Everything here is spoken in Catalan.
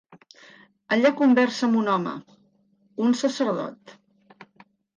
Allà conversa amb un home, un sacerdot.